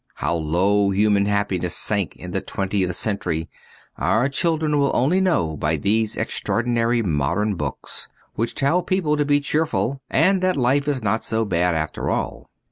How low human happiness sank in the twentieth century, our children will only know by these extraordinary modern books, which tell people to be cheerful and that life is not so bad after all.